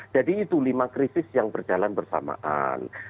jadi itu lima krisis yang berjalan bersamaan